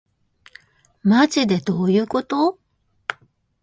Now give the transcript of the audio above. まじでどういうこと